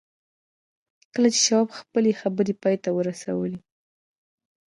کله چې شواب خپلې خبرې پای ته ورسولې.